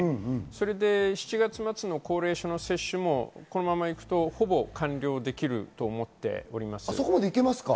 ７月末の高齢者の接種もこのままいくと、ほぼ完了できると思っております。